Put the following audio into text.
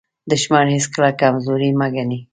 دښمن هیڅکله کمزوری مه ګڼئ.